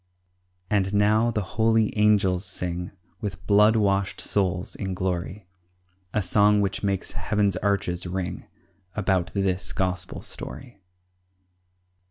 And now the holy angels sing, With blood washed souls in glory, A song which makes heaven's arches ring About this Gospel story.